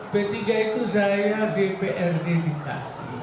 b tiga itu saya dprd di kpi